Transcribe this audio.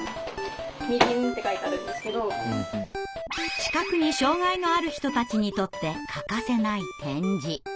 視覚に障害のある人たちにとって欠かせない点字。